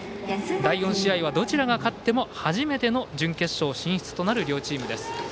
第４試合は、どちらが勝っても初めての準決勝進出となる両チームです。